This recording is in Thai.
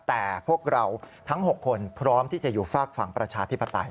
แต่พวกเราทั้ง๖คนพร้อมที่จะอยู่ฝากฝั่งประชาธิปไตย